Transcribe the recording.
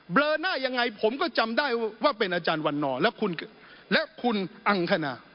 เลอหน้ายังไงผมก็จำได้ว่าเป็นอาจารย์วันนอร์และคุณอังคณา